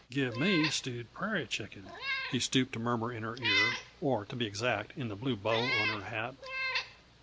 "Give me stewed prairie chicken," he stooped to murmur in her ear or, to be exact, in the blue bow on her hat.